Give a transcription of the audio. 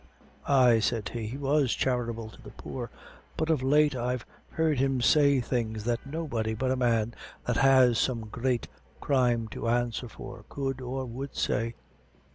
"Ay," said he, "he was charitable to the poor; but of late I've heard him say things that nobody but a man that has some great crime to answer for could or would say.